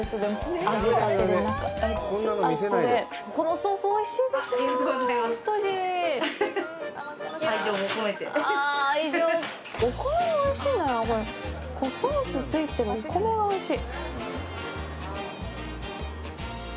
ソースついてるお米がおいしい。